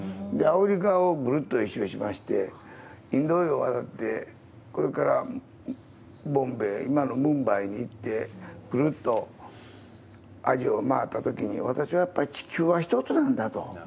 アフリカをぐるっと一周しまして、インド洋を渡って、これからボンベイ、今のムンバイに行って、ぐるっとアジアを回ったときに、私はやっぱり地球は一つなんだと。